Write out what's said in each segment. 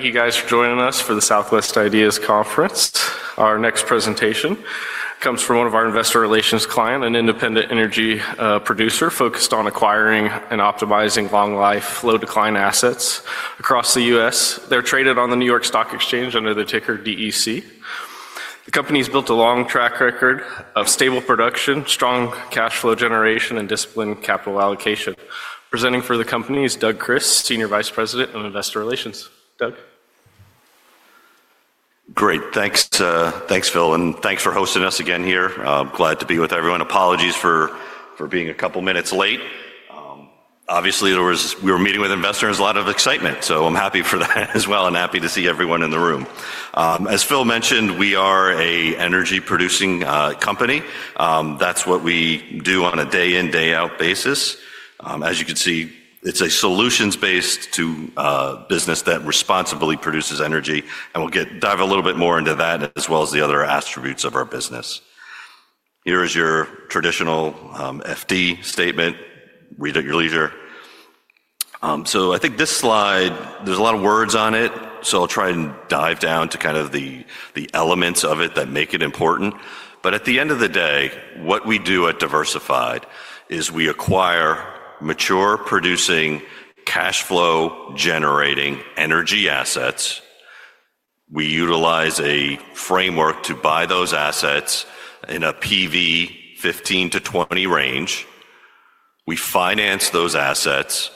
Thank you, guys, for joining us for the Southwest Ideas Conference. Our next presentation comes from one of our investor relations clients, an independent energy producer focused on acquiring and optimizing long-life, low-decline assets across the U.S. They're traded on the New York Stock Exchange under the ticker DEC. The company has built a long track record of stable production, strong cash flow generation, and disciplined capital allocation. Presenting for the company is Doug Kris, Senior Vice President of Investor Relations. Doug. Great. Thanks, Phil, and thanks for hosting us again here. I'm glad to be with everyone. Apologies for being a couple of minutes late. Obviously, we were meeting with investors in a lot of excitement, so I'm happy for that as well and happy to see everyone in the room. As Phil mentioned, we are an energy-producing company. That's what we do on a day-in, day-out basis. As you can see, it's a solutions-based business that responsibly produces energy. We'll dive a little bit more into that, as well as the other attributes of our business. Here is your traditional FD statement. Read at your leisure. I think this slide, there's a lot of words on it, so I'll try and dive down to kind of the elements of it that make it important. At the end of the day, what we do at Diversified is we acquire mature producing, cash flow generating energy assets. We utilize a framework to buy those assets in a PV 15-20% range. We finance those assets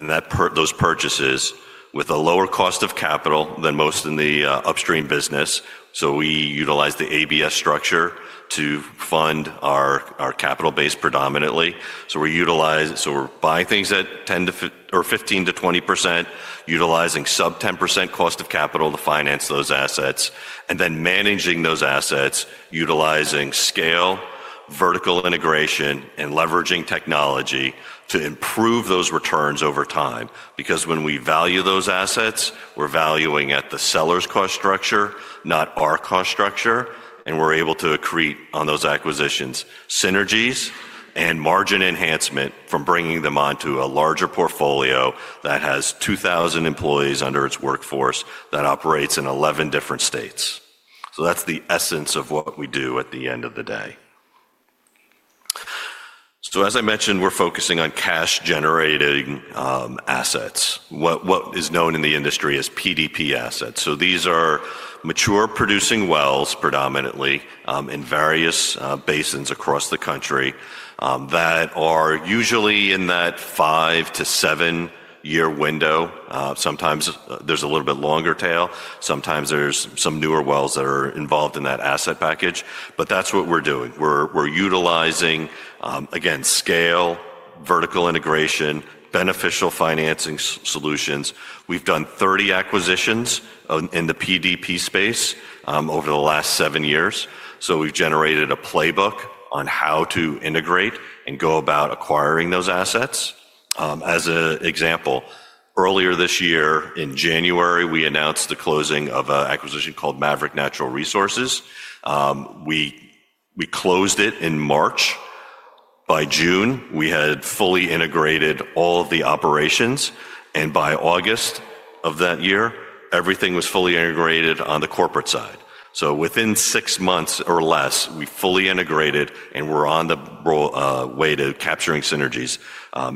and those purchases with a lower cost of capital than most in the upstream business. We utilize the ABS structure to fund our capital base predominantly. We are buying things that tend to be 15-20%, utilizing sub-10% cost of capital to finance those assets, and then managing those assets, utilizing scale, vertical integration, and leveraging technology to improve those returns over time. When we value those assets, we are valuing at the seller's cost structure, not our cost structure. We're able to create on those acquisitions synergies and margin enhancement from bringing them onto a larger portfolio that has 2,000 employees under its workforce that operates in 11 different states. That's the essence of what we do at the end of the day. As I mentioned, we're focusing on cash-generating assets, what is known in the industry as PDP assets. These are mature producing wells predominantly in various basins across the country that are usually in that five- to seven-year window. Sometimes there's a little bit longer tail. Sometimes there's some newer wells that are involved in that asset package. That's what we're doing. We're utilizing, again, scale, vertical integration, beneficial financing solutions. We've done 30 acquisitions in the PDP space over the last seven years. We've generated a playbook on how to integrate and go about acquiring those assets. As an example, earlier this year in January, we announced the closing of an acquisition called Maverick Natural Resources. We closed it in March. By June, we had fully integrated all of the operations. By August of that year, everything was fully integrated on the corporate side. Within six months or less, we fully integrated and were on the way to capturing synergies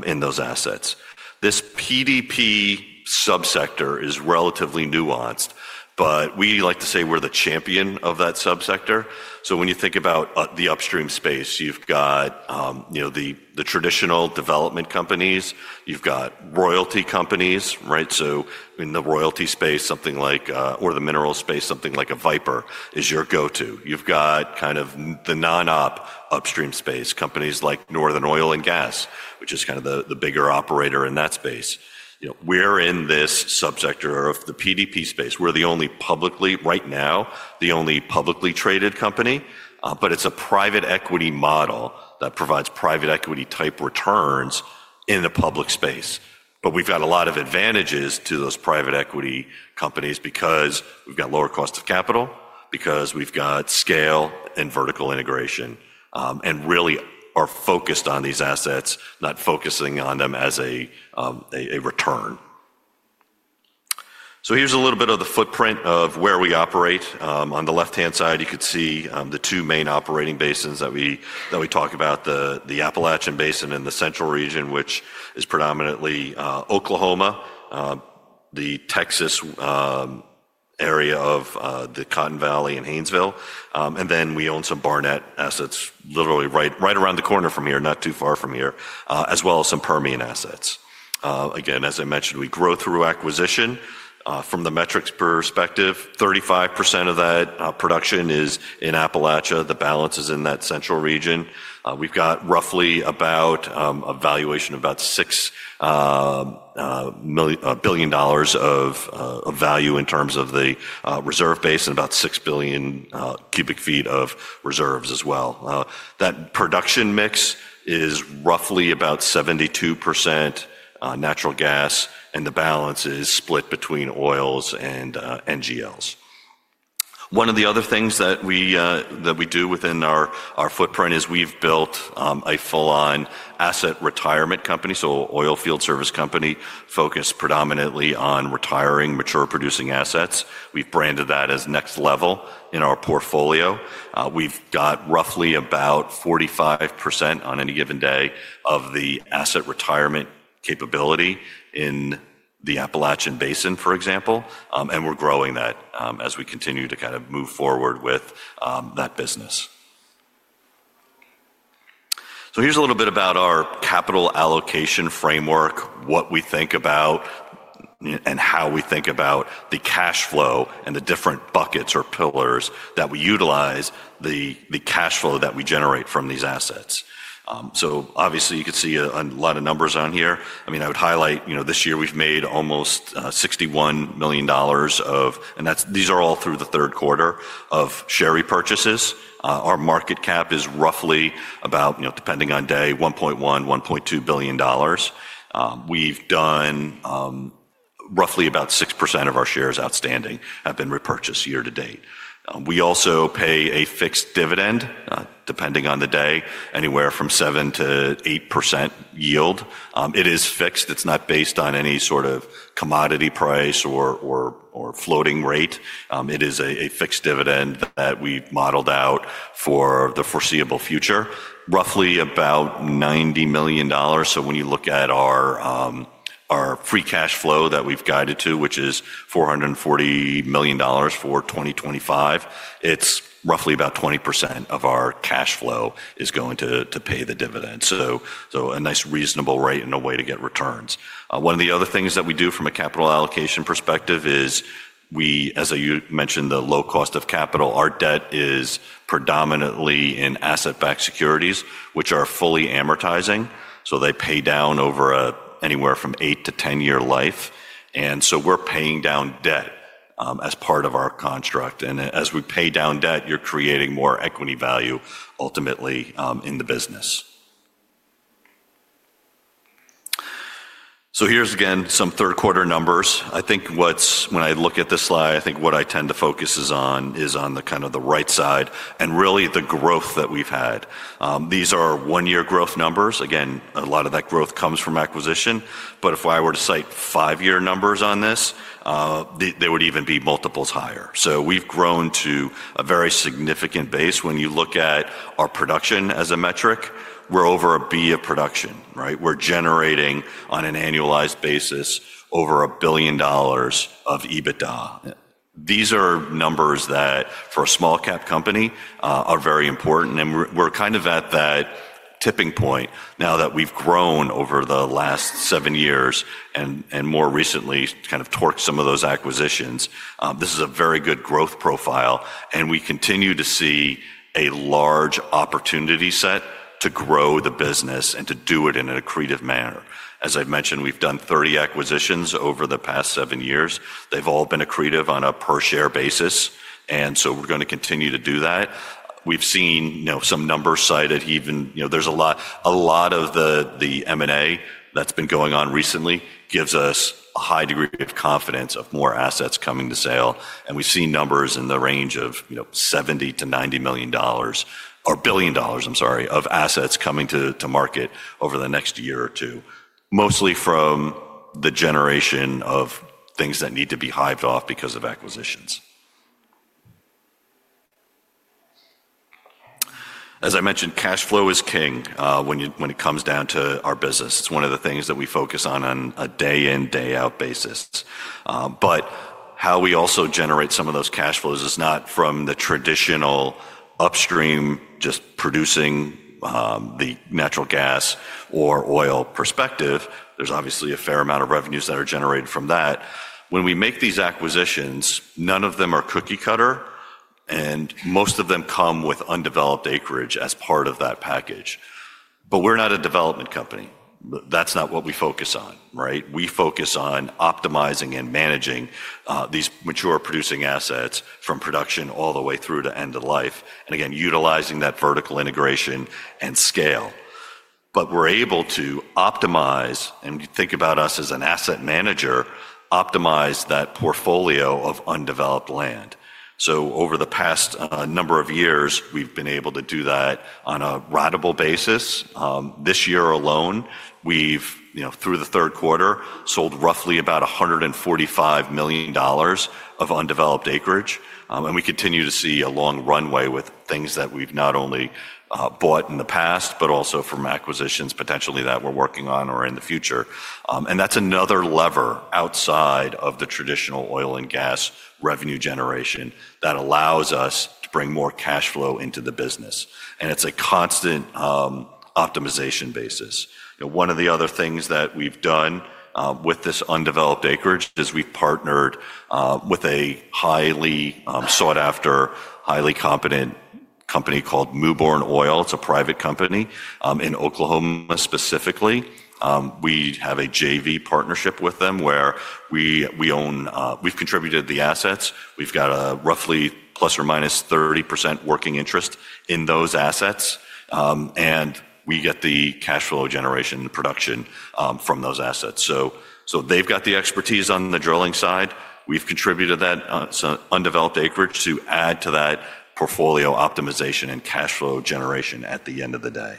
in those assets. This PDP subsector is relatively nuanced, but we like to say we're the champion of that subsector. When you think about the upstream space, you've got the traditional development companies, you've got royalty companies. In the royalty space, something like or the mineral space, something like a Viper is your go-to. You've got kind of the Non-Op pstream space, companies like Northern Oil and Gas, which is kind of the bigger operator in that space. We're in this subsector of the PDP space. We're the only publicly, right now, the only publicly traded company. It's a private equity model that provides private equity type returns in the public space. We've got a lot of advantages to those private equity companies because we've got lower cost of capital, we've got scale and vertical integration, and really are focused on these assets, not focusing on them as a return. Here's a little bit of the footprint of where we operate. On the left-hand side, you could see the two main operating basins that we talk about, the Appalachian Basin and the Central Region, which is predominantly Oklahoma, the Texas area of the Cotton Valley and Haynesville. We own some Barnett assets literally right around the corner from here, not too far from here, as well as some Permian assets. Again, as I mentioned, we grow through acquisition. From the metrics perspective, 35% of that production is in Appalachia. The balance is in that Central Region. We've got roughly about a valuation of about $6 billion of value in terms of the reserve base and about 6 billion cu ft of reserves as well. That production mix is roughly about 72% natural gas, and the balance is split between oils and NGLs. One of the other things that we do within our footprint is we've built a full-on asset retirement company, so oil field service company focused predominantly on retiring mature producing assets. We've branded that as Next Level in our portfolio. We've got roughly about 45% on any given day of the asset retirement capability in the Appalachian Basin, for example. We're growing that as we continue to kind of move forward with that business. Here's a little bit about our capital allocation framework, what we think about, and how we think about the cash flow and the different buckets or pillars that we utilize the cash flow that we generate from these assets. Obviously, you can see a lot of numbers on here. I mean, I would highlight this year we've made almost $61 million of, and these are all through the third quarter, of share repurchases. Our market cap is roughly about, depending on day, $1.1-$1.2 billion. We've done roughly about 6% of our shares outstanding have been repurchased year to date. We also pay a fixed dividend, depending on the day, anywhere from 7-8% yield. It is fixed. It's not based on any sort of commodity price or floating rate. It is a fixed dividend that we've modeled out for the foreseeable future, roughly about $90 million. When you look at our free cash flow that we've guided to, which is $440 million for 2025, it's roughly about 20% of our cash flow is going to pay the dividend. A nice reasonable rate and a way to get returns. One of the other things that we do from a capital allocation perspective is we, as you mentioned, the low cost of capital, our debt is predominantly in asset-backed securities, which are fully amortizing. They pay down over anywhere from 8-10 year life. We are paying down debt as part of our construct. As we pay down debt, you're creating more equity value ultimately in the business. Here's again some third quarter numbers. I think when I look at this slide, I think what I tend to focus on is on the kind of the right side and really the growth that we've had. These are one-year growth numbers. Again, a lot of that growth comes from acquisition. If I were to cite five-year numbers on this, they would even be multiples higher. We have grown to a very significant base. When you look at our production as a metric, we're over a B of production. We're generating on an annualized basis over $1 billion of EBITDA. These are numbers that for a small-cap company are very important. We're kind of at that tipping point now that we've grown over the last seven years and more recently kind of torqued some of those acquisitions. This is a very good growth profile. We continue to see a large opportunity set to grow the business and to do it in an accretive manner. As I've mentioned, we've done 30 acquisitions over the past seven years. They've all been accretive on a per-share basis. We are going to continue to do that. We've seen some numbers cited. There's a lot of the M&A that's been going on recently gives us a high degree of confidence of more assets coming to sale. We've seen numbers in the range of $70 billion-$90 billion, I'm sorry, of assets coming to market over the next year or two, mostly from the generation of things that need to be hived off because of acquisitions. As I mentioned, cash flow is king when it comes down to our business. It's one of the things that we focus on on a day-in, day-out basis. How we also generate some of those cash flows is not from the traditional upstream just producing the natural gas or oil perspective. There is obviously a fair amount of revenues that are generated from that. When we make these acquisitions, none of them are cookie cutter, and most of them come with undeveloped acreage as part of that package. We are not a development company. That is not what we focus on. We focus on optimizing and managing these mature producing assets from production all the way through to end of life, and again, utilizing that vertical integration and scale. We are able to optimize, and think about us as an asset manager, optimize that portfolio of undeveloped land. Over the past number of years, we have been able to do that on a ridable basis. This year alone, we've, through the third quarter, sold roughly about $145 million of undeveloped acreage. We continue to see a long runway with things that we've not only bought in the past, but also from acquisitions potentially that we're working on or in the future. That's another lever outside of the traditional oil and gas revenue generation that allows us to bring more cash flow into the business. It's a constant optimization basis. One of the other things that we've done with this undeveloped acreage is we've partnered with a highly sought-after, highly competent company called Mewbourne Oil. It's a private company in Oklahoma specifically. We have a JV partnership with them where we've contributed the assets. We've got roughly plus or minus 30% working interest in those assets. We get the cash flow generation production from those assets. They've got the expertise on the drilling side. We've contributed that undeveloped acreage to add to that portfolio optimization and cash flow generation at the end of the day.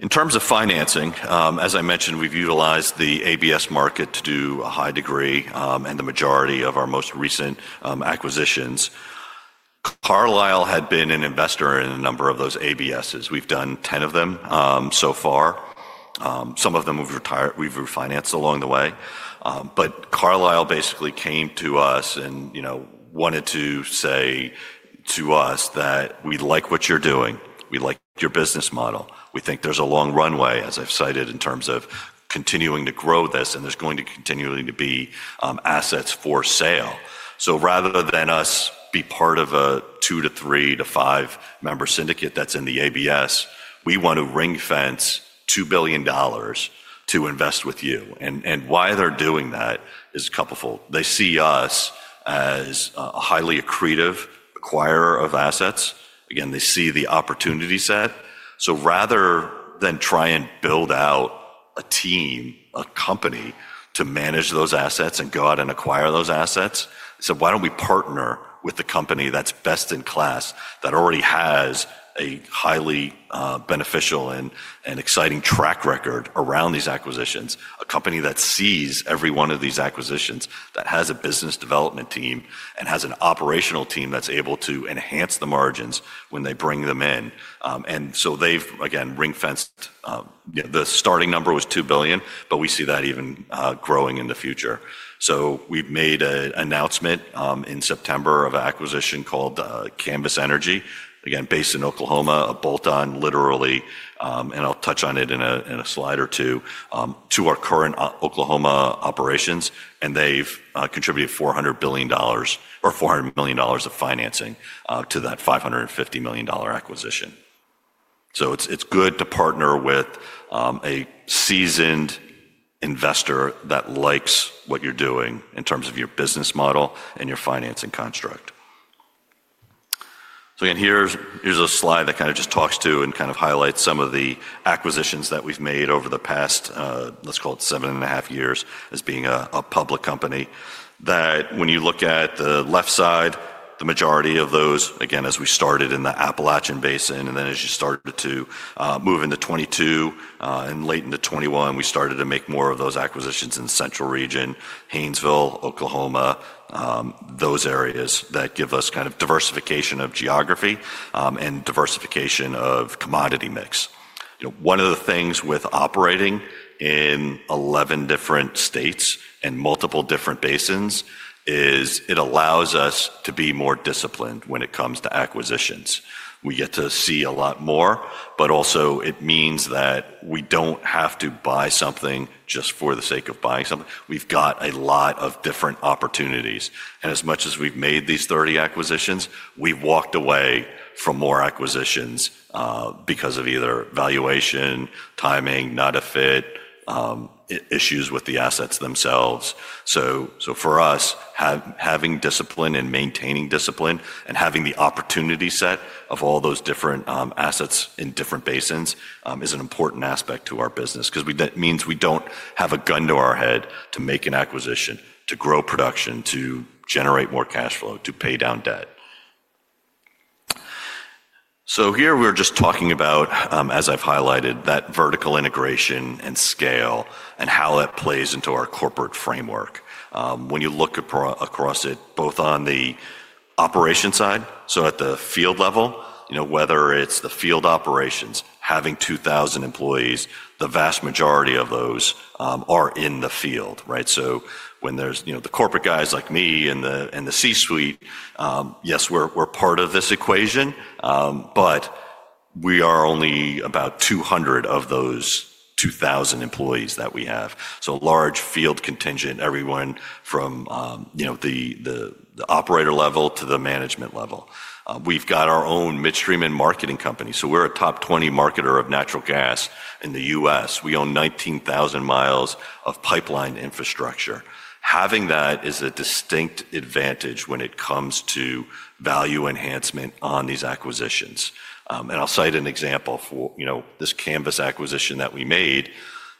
In terms of financing, as I mentioned, we've utilized the ABS market to a high degree and the majority of our most recent acquisitions. Carlyle had been an investor in a number of those ABSs. We've done 10 of them so far. Some of them we've refinanced along the way. Carlyle basically came to us and wanted to say to us that we like what you're doing. We like your business model. We think there's a long runway, as I've cited, in terms of continuing to grow this, and there's going to continually be assets for sale. Rather than us be part of a two- to three- to five-member syndicate that's in the ABS, we want to ring-fence $2 billion to invest with you. Why they're doing that is a couple of, they see us as a highly accretive acquirer of assets. Again, they see the opportunity set. Rather than try and build out a team, a company to manage those assets and go out and acquire those assets, they said, why don't we partner with the company that's best in class, that already has a highly beneficial and exciting track record around these acquisitions, a company that sees every one of these acquisitions, that has a business development team and has an operational team that's able to enhance the margins when they bring them in. They've, again, ring-fenced. The starting number was $2 billion, but we see that even growing in the future. We've made an announcement in September of acquisition called Canvas Energy, again, based in Oklahoma, a bolt-on literally, and I'll touch on it in a slide or two, to our current Oklahoma operations. They've contributed $400 million of financing to that $550 million acquisition. It's good to partner with a seasoned investor that likes what you're doing in terms of your business model and your financing construct. Here's a slide that kind of just talks to and kind of highlights some of the acquisitions that we've made over the past, let's call it seven and a half years as being a public company. That when you look at the left side, the majority of those, again, as we started in the Appalachian Basin and then as you started to move into 2022 and late into 2021, we started to make more of those acquisitions in the Central Region, Haynesville, Oklahoma, those areas that give us kind of diversification of geography and diversification of commodity mix. One of the things with operating in 11 different states and multiple different basins is it allows us to be more disciplined when it comes to acquisitions. You get to see a lot more, but also it means that you do not have to buy something just for the sake of buying something. You have got a lot of different opportunities. As much as we have made these 30 acquisitions, we have walked away from more acquisitions because of either valuation, timing, not a fit, issues with the assets themselves. For us, having discipline and maintaining discipline and having the opportunity set of all those different assets in different basins is an important aspect to our business because that means we don't have a gun to our head to make an acquisition, to grow production, to generate more cash flow, to pay down debt. Here we're just talking about, as I've highlighted, that vertical integration and scale and how that plays into our corporate framework. When you look across it, both on the operation side, at the field level, whether it's the field operations having 2,000 employees, the vast majority of those are in the field. When there's the corporate guys like me and the C-suite, yes, we're part of this equation, but we are only about 200 of those 2,000 employees that we have. Large field contingent, everyone from the operator level to the management level. We have our own midstream and marketing company. We are a top 20 marketer of natural gas in the U.S. We own 19,000 mi of pipeline infrastructure. Having that is a distinct advantage when it comes to value enhancement on these acquisitions. I will cite an example. This Canvas acquisition that we made,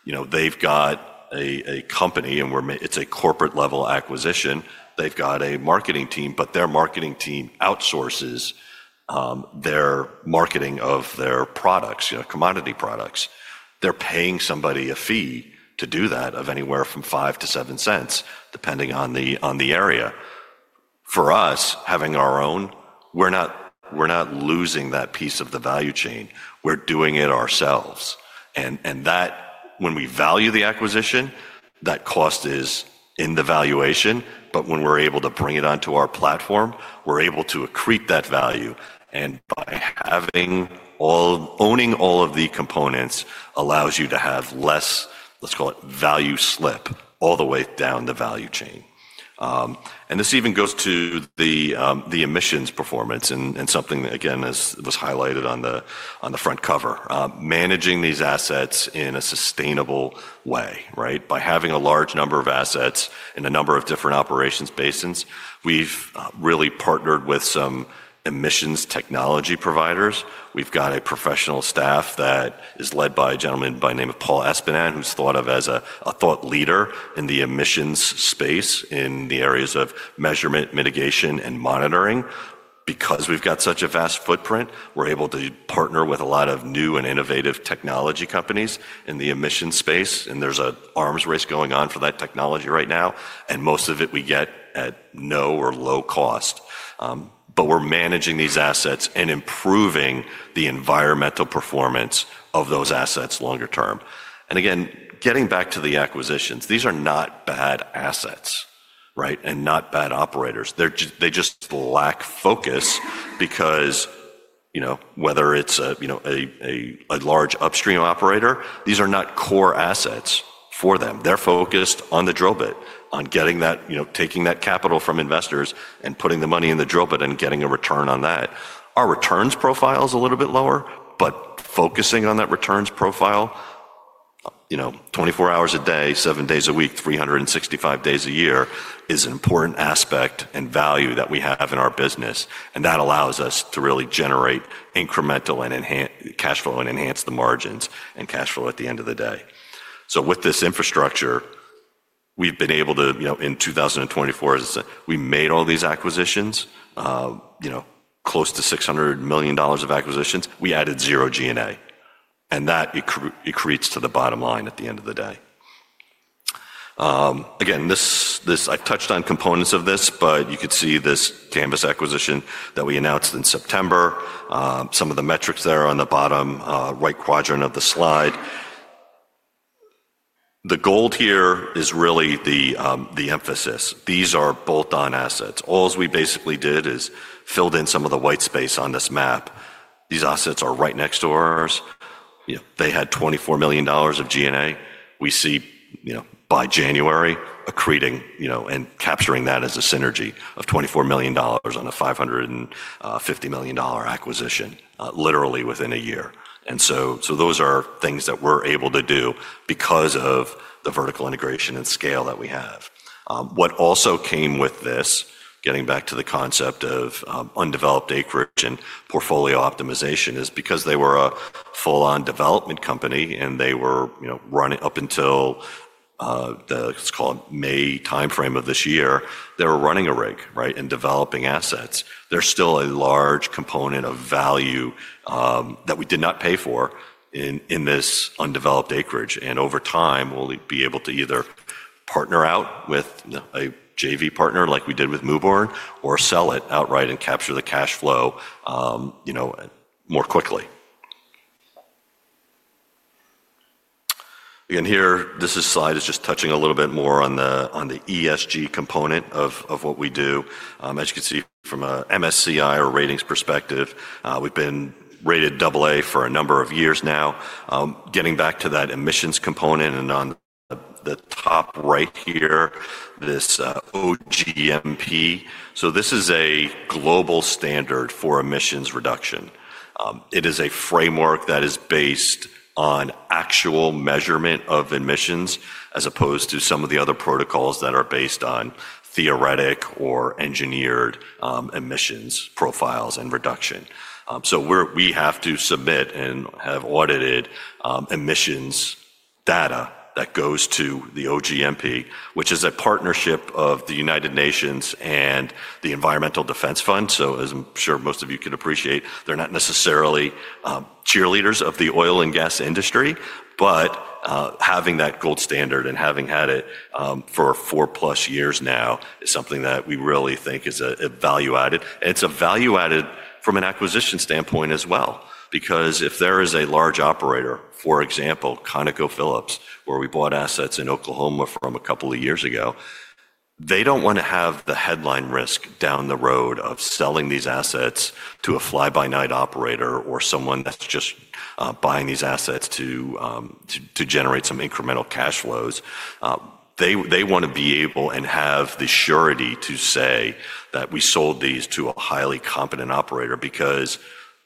they have a company and it is a corporate-level acquisition. They have a marketing team, but their marketing team outsources their marketing of their products, commodity products. They are paying somebody a fee to do that of anywhere from $0.05-$0.07, depending on the area. For us, having our own, we are not losing that piece of the value chain. We are doing it ourselves. When we value the acquisition, that cost is in the valuation, but when we're able to bring it onto our platform, we're able to accrete that value. By owning all of the components, it allows you to have less, let's call it, value slip all the way down the value chain. This even goes to the emissions performance and something, again, as was highlighted on the front cover, managing these assets in a sustainable way. By having a large number of assets in a number of different operations basins, we've really partnered with some emissions technology providers. We've got a professional staff that is led by a gentleman by the name of Paul Espenan, who's thought of as a thought leader in the emissions space in the areas of measurement, mitigation, and monitoring. Because we've got such a vast footprint, we're able to partner with a lot of new and innovative technology companies in the emissions space. There's an arms race going on for that technology right now. Most of it we get at no or low cost. We're managing these assets and improving the environmental performance of those assets longer term. Getting back to the acquisitions, these are not bad assets and not bad operators. They just lack focus because whether it's a large upstream operator, these are not core assets for them. They're focused on the drill bit, on taking that capital from investors and putting the money in the drill bit and getting a return on that. Our returns profile is a little bit lower, but focusing on that returns profile, 24 hours a day, seven days a week, 365 days a year is an important aspect and value that we have in our business. That allows us to really generate incremental cash flow and enhance the margins and cash flow at the end of the day. With this infrastructure, we've been able to, in 2024, we made all these acquisitions, close to $600 million of acquisitions. We added zero G&A. That accretes to the bottom line at the end of the day. Again, I touched on components of this, but you could see this Canvas acquisition that we announced in September. Some of the metrics there are on the bottom right quadrant of the slide. The gold here is really the emphasis. These are bolt-on assets. All we basically did is filled in some of the white space on this map. These assets are right next to ours. They had $24 million of G&A. We see by January accreting and capturing that as a synergy of $24 million on a $550 million acquisition, literally within a year. Those are things that we are able to do because of the vertical integration and scale that we have. What also came with this, getting back to the concept of undeveloped acreage and portfolio optimization, is because they were a full-on development company and they were running up until the, let's call it May timeframe of this year, they were running a rig and developing assets. There is still a large component of value that we did not pay for in this undeveloped acreage. Over time, we'll be able to either partner out with a JV partner like we did with Mewbourne Oil or sell it outright and capture the cash flow more quickly. Again, here, this slide is just touching a little bit more on the ESG component of what we do. As you can see from an MSCI or ratings perspective, we've been rated AA for a number of years now. Getting back to that emissions component and on the top right here, this OGMP. This is a global standard for emissions reduction. It is a framework that is based on actual measurement of emissions as opposed to some of the other protocols that are based on theoretic or engineered emissions profiles and reduction. We have to submit and have audited emissions data that goes to the OGMP, which is a partnership of the United Nations and the Environmental Defense Fund. As I'm sure most of you can appreciate, they're not necessarily cheerleaders of the oil and gas industry, but having that gold standard and having had it for four plus years now is something that we really think is a value added. It's a value added from an acquisition standpoint as well. If there is a large operator, for example, ConocoPhillips, where we bought assets in Oklahoma from a couple of years ago, they do not want to have the headline risk down the road of selling these assets to a fly-by-night operator or someone that's just buying these assets to generate some incremental cash flows. They want to be able and have the surety to say that we sold these to a highly competent operator. Because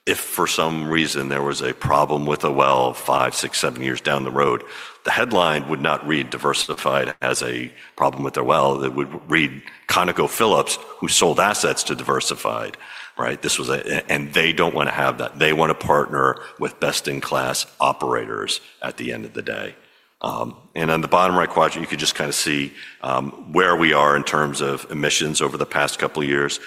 if for some reason there was a problem with a well five, six, seven years down the road, the headline would not read Diversified has a problem with their well. It would read ConocoPhillips, who sold assets to Diversified. They do not want to have that. They want to partner with best-in-class operators at the end of the day. On the bottom right quadrant, you could just kind of see where we are in terms of emissions over the past couple of years,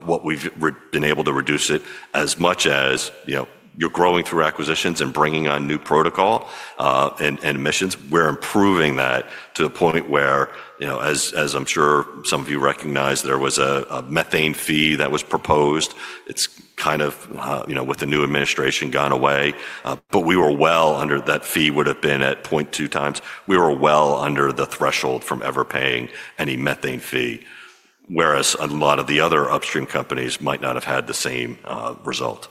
what we have been able to reduce it as much as you are growing through acquisitions and bringing on new protocol and emissions. We are improving that to the point where, as I am sure some of you recognize, there was a methane fee that was proposed. It's kind of with the new administration gone away, but we were well under that fee would have been at 0.2 times. We were well under the threshold from ever paying any methane fee, whereas a lot of the other upstream companies might not have had the same result.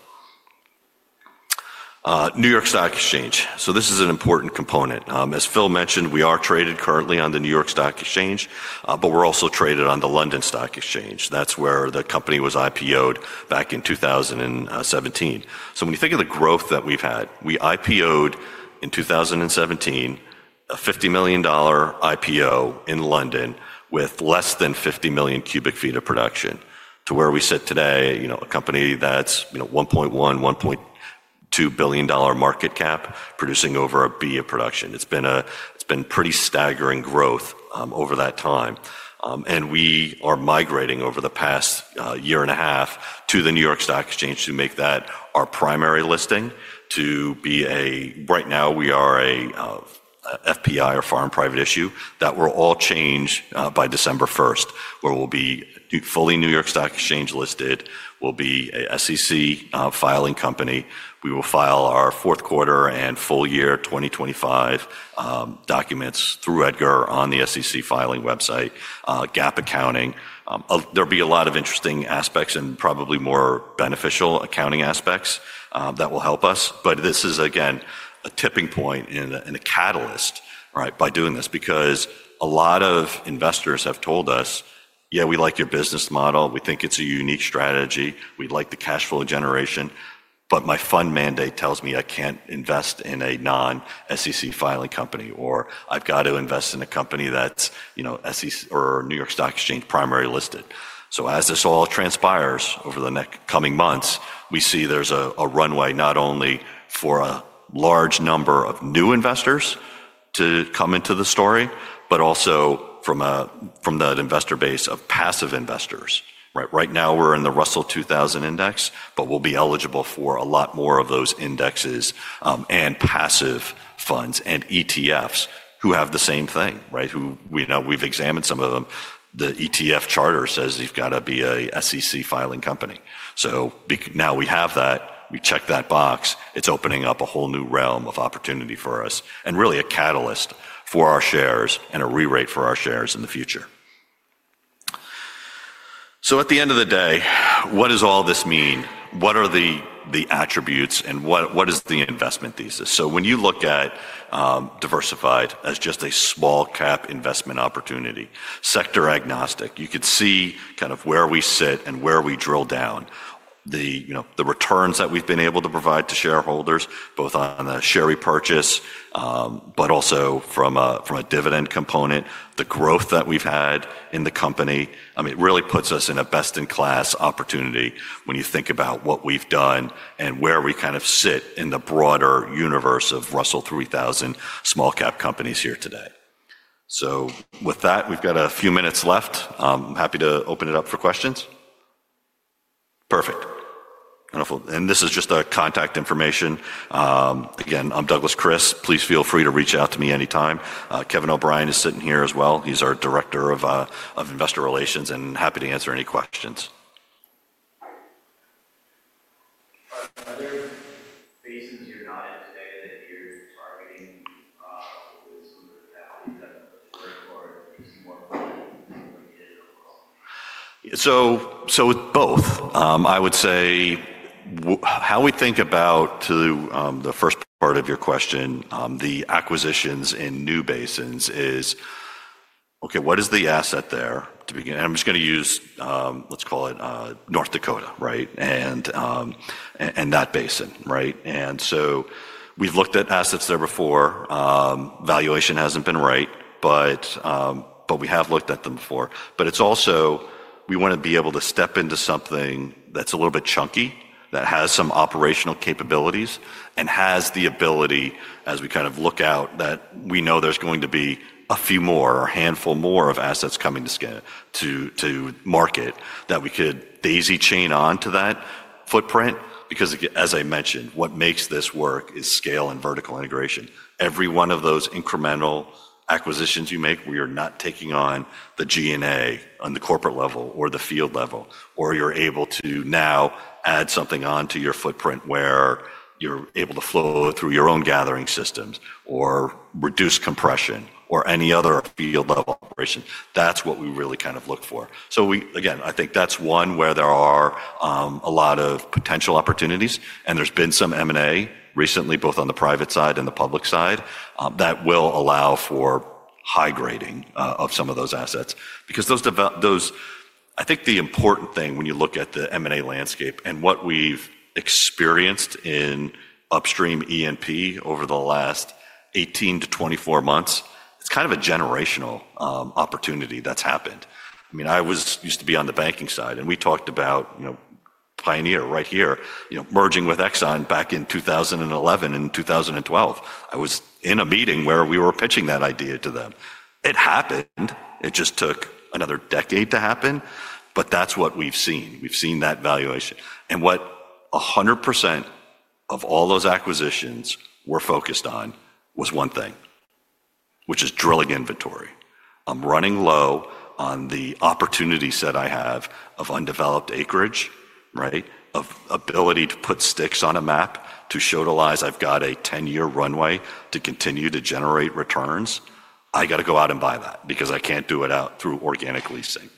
New York Stock Exchange. This is an important component. As Phil mentioned, we are traded currently on the New York Stock Exchange, but we're also traded on the London Stock Exchange. That's where the company was IPO'd back in 2017. When you think of the growth that we've had, we IPO'd in 2017, a $50 million IPO in London with less than 50 million cu ft of production to where we sit today, a company that's $1.1, $1.2 billion market cap, producing over a bee of production. It's been pretty staggering growth over that time. We are migrating over the past year and a half to the New York Stock Exchange to make that our primary listing. Right now we are a FPI or Foreign Private Issue. That will all change by December 1st, where we will be fully New York Stock Exchange listed. We will be an SEC filing company. We will file our fourth quarter and full year 2025 documents through Edgar on the SEC filing website, GAAP accounting. There will be a lot of interesting aspects and probably more beneficial accounting aspects that will help us. This is, again, a tipping point and a catalyst by doing this because a lot of investors have told us, "Yeah, we like your business model. We think it's a unique strategy. We like the cash flow generation. My fund mandate tells me I can't invest in a non-SEC filing company or I've got to invest in a company that's New York Stock Exchange primary listed. As this all transpires over the coming months, we see there's a runway not only for a large number of new investors to come into the story, but also from that investor base of passive investors. Right now we're in the Russell 2000 index, but we'll be eligible for a lot more of those indexes and passive funds and ETFs who have the same thing. We've examined some of them. The ETF charter says you've got to be a SEC filing company. Now we have that. We check that box. It's opening up a whole new realm of opportunity for us and really a catalyst for our shares and a re-rate for our shares in the future. At the end of the day, what does all this mean? What are the attributes and what is the investment thesis? When you look at Diversified as just a small-cap investment opportunity, sector agnostic, you could see kind of where we sit and where we drill down. The returns that we've been able to provide to shareholders, both on the share repurchase, but also from a dividend component, the growth that we've had in the company, it really puts us in a best-in-class opportunity when you think about what we've done and where we kind of sit in the broader universe of Russell 3000 small-cap companies here today. With that, we've got a few minutes left. I'm happy to open it up for questions. Perfect. This is just our contact information. Again, I'm Douglas Kris. Please feel free to reach out to me anytime. Kevin O'Brien is sitting here as well. He's our Director of Investor Relations and happy to answer any questions. Are there spaces you're not in today that you're targeting with some of the value that you're looking for? Do you see more value in those areas overall? With both, I would say how we think about the first part of your question, the acquisitions in new basins is, okay, what is the asset there to begin? I'm just going to use, let's call it North Dakota and that basin. We've looked at assets there before. Valuation hasn't been right, but we have looked at them before. It is also we want to be able to step into something that is a little bit chunky, that has some operational capabilities and has the ability, as we kind of look out, that we know there is going to be a few more or a handful more of assets coming to market that we could daisy-chain on to that footprint. Because as I mentioned, what makes this work is scale and vertical integration. Every one of those incremental acquisitions you make, we are not taking on the G&A on the corporate level or the field level, or you are able to now add something on to your footprint where you are able to flow through your own gathering systems or reduce compression or any other field-level operation. That is what we really kind of look for. I think that is one where there are a lot of potential opportunities. There's been some M&A recently, both on the private side and the public side, that will allow for high grading of some of those assets. I think the important thing when you look at the M&A landscape and what we've experienced in upstream E&P over the last 18 to 24 months, it's kind of a generational opportunity that's happened. I mean, I used to be on the banking side, and we talked about Pioneer right here, merging with Exxon back in 2011 and 2012. I was in a meeting where we were pitching that idea to them. It happened. It just took another decade to happen, but that's what we've seen. We've seen that valuation. What 100% of all those acquisitions were focused on was one thing, which is drilling inventory. I'm running low on the opportunity set I have of undeveloped acreage, of ability to put sticks on a map to show to lies I've got a 10-year runway to continue to generate returns. I got to go out and buy that because I can't do it out through organic leasing.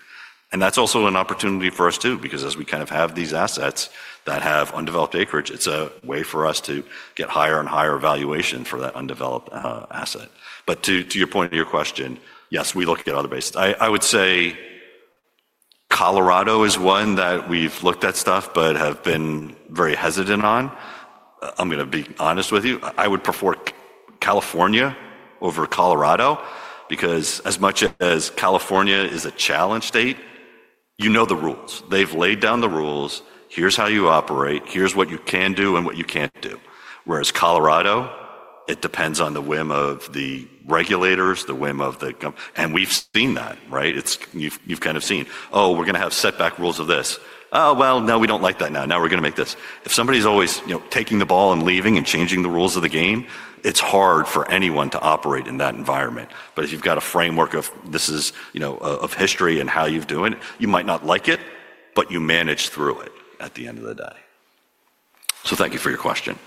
That's also an opportunity for us too, because as we kind of have these assets that have undeveloped acreage, it's a way for us to get higher and higher valuation for that undeveloped asset. To your point of your question, yes, we look at other basins. I would say Colorado is one that we've looked at stuff, but have been very hesitant on. I'm going to be honest with you. I would prefer California over Colorado because as much as California is a challenge state, you know the rules. They've laid down the rules. Here's how you operate. Here's what you can do and what you can't do. Whereas Colorado, it depends on the whim of the regulators, the whim of the company. And we've seen that. You've kind of seen, "Oh, we're going to have setback rules of this." "Oh, well, no, we don't like that now. Now we're going to make this." If somebody's always taking the ball and leaving and changing the rules of the game, it's hard for anyone to operate in that environment. If you've got a framework of this is of history and how you're doing it, you might not like it, but you manage through it at the end of the day. Thank you for your question.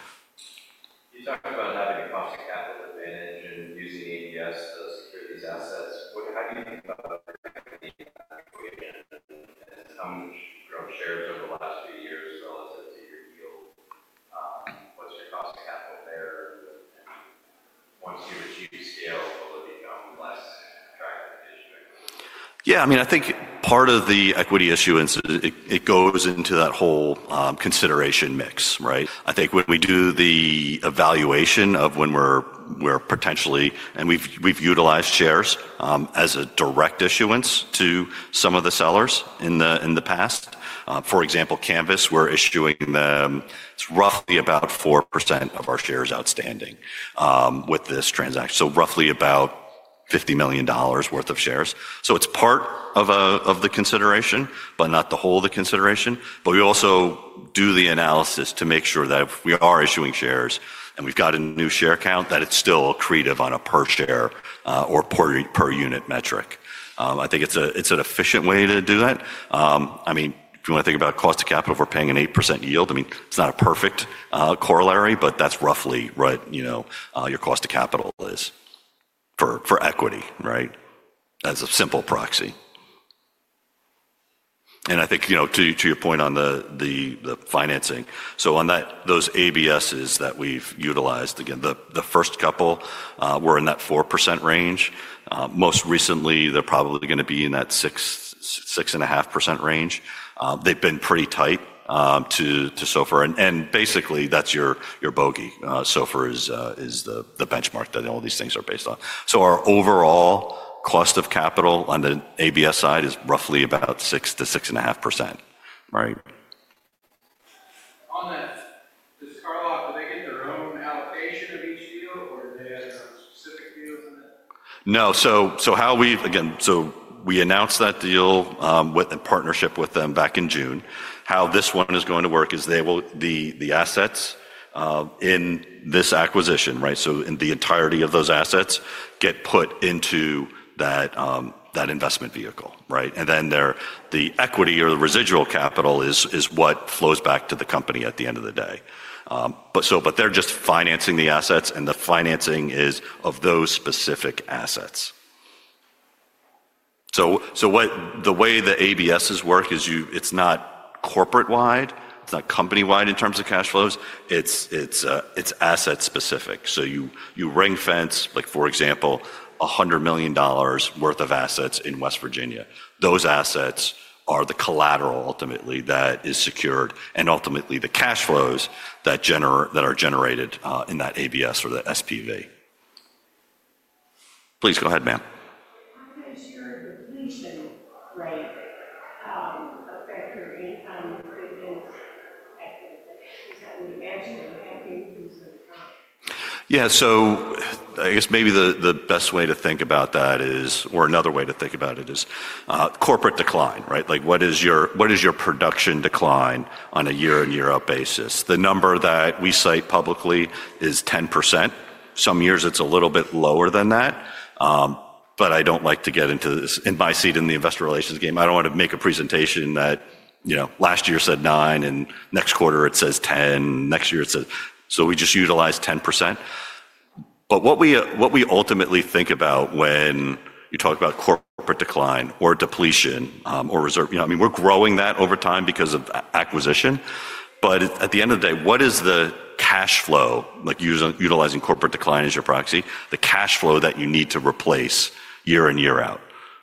You talked about having a cost of capital advantage and using ABS to secure these assets. How do you think about that? How much growth shares over the last few years relative to your yield? What's your cost of capital there? Once you've achieved scale, will it become less attractive to issue equity? Yeah. I mean, I think part of the equity issuance, it goes into that whole consideration mix. I think when we do the evaluation of when we're potentially and we've utilized shares as a direct issuance to some of the sellers in the past. For example, Canvas, we're issuing them. It's roughly about 4% of our shares outstanding with this transaction. So roughly about $50 million worth of shares. It's part of the consideration, but not the whole of the consideration. We also do the analysis to make sure that if we are issuing shares and we've got a new share count, that it's still accretive on a per share or per unit metric. I think it's an efficient way to do that. I mean, if you want to think about cost of capital, we're paying an 8% yield. I mean, it's not a perfect corollary, but that's roughly what your cost of capital is for equity as a simple proxy. I think to your point on the financing, on those ABSs that we've utilized, again, the first couple were in that 4% range. Most recently, they're probably going to be in that 6.5% range. They've been pretty tight to SOFR. Basically, that's your bogey. SOFR is the benchmark that all these things are based on. Our overall cost of capital on the ABS side is roughly about 6-6.5%. On that, does Carlyle do they get their own allocation of each deal, or do they have a specific deal on that? No. How we, again, we announced that deal in partnership with them back in June. How this one is going to work is the assets in this acquisition, the entirety of those assets get put into that investment vehicle. The equity or the residual capital is what flows back to the company at the end of the day. They're just financing the assets, and the financing is of those specific assets. The way the ABSs work is it's not corporate-wide. It's not company-wide in terms of cash flows. It's asset-specific. You ring-fence, for example, $100 million worth of assets in West Virginia. Those assets are the collateral ultimately that is secured and ultimately the cash flows that are generated in that ABS or the SPV. Please go ahead, ma'am. How does your depletion affect your income and savings? Is that managed or happening through the company? Yeah. I guess maybe the best way to think about that is, or another way to think about it is corporate decline. What is your production decline on a year-on-year basis? The number that we cite publicly is 10%. Some years it's a little bit lower than that. I don't like to get into this. In my seat in the investor relations game, I don't want to make a presentation that last year said 9, and next quarter it says 10, next year it says. We just utilize 10%. What we ultimately think about when you talk about corporate decline or depletion or reserve, I mean, we're growing that over time because of acquisition. At the end of the day, what is the cash flow, utilizing corporate decline as your proxy, the cash flow that you need to replace year in, year out?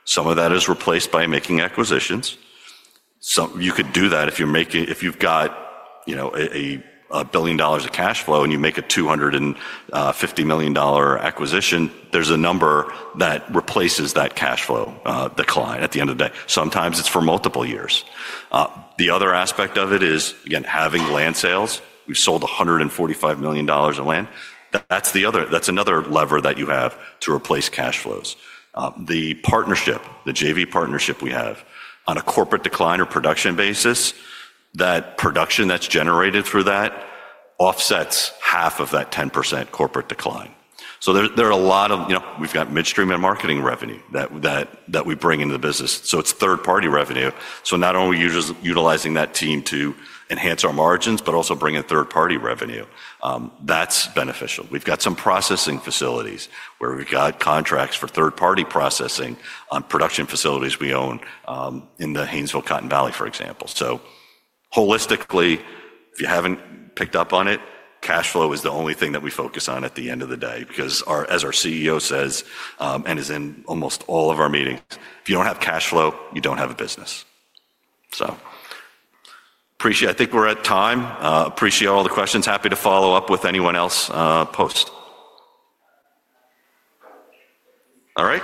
Some of that is replaced by making acquisitions. You could do that if you've got $1 billion of cash flow and you make a $250 million acquisition, there's a number that replaces that cash flow decline at the end of the day. Sometimes it's for multiple years. The other aspect of it is, again, having land sales. We've sold $145 million of land. That's another lever that you have to replace cash flows. The partnership, the JV partnership we have on a corporate decline or production basis, that production that's generated through that offsets half of that 10% corporate decline. There are a lot of we've got midstream and marketing revenue that we bring into the business. It is third-party revenue. Not only are we utilizing that team to enhance our margins, but also bringing third-party revenue. That is beneficial. We have some processing facilities where we have contracts for third-party processing on production facilities we own in the Haynesville, Cotton Valley, for example. Holistically, if you have not picked up on it, cash flow is the only thing that we focus on at the end of the day. Because as our CEO says and is in almost all of our meetings, if you do not have cash flow, you do not have a business. I think we are at time. Appreciate all the questions. Happy to follow up with anyone else post. All right.